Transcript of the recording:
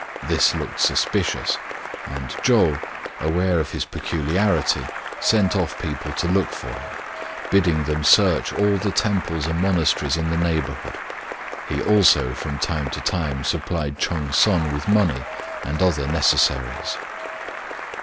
This looked suspicious, and Chou, aware of his peculiarity, sent off people to look for him, bidding them search all the temples and monas teries in the neighbourhood. He also from time to time supplied Ch'eng's son with money and other necessaries.